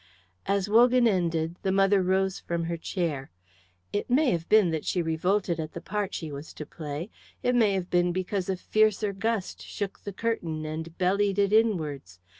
As Wogan ended, the mother rose from her chair. It may have been that she revolted at the part she was to play; it may have been because a fiercer gust shook the curtain and bellied it inwards.